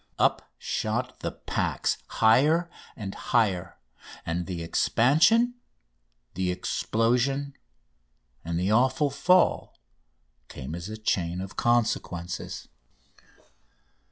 Up shot the "Pax" higher and higher, and the expansion, the explosion, and the awful fall came as a chain of consequences.